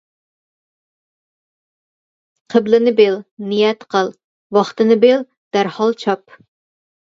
قىبلىنى بىل، نىيەت قىل، ۋاقتىنى بىل دەرھال چاپ.